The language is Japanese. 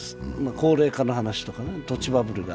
高齢化の話とか土地バブルが。